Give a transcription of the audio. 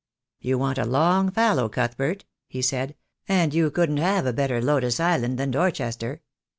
"You want a long fallow, Cuthbert," he said, "and you couldn't have a better lotus island than Dorchester.